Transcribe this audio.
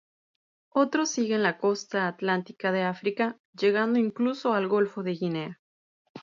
Otros siguen la costa atlántica de África llegando incluso al golfo de Guinea.